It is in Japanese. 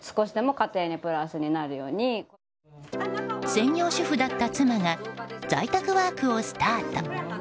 専業主婦だった妻が在宅ワークをスタート。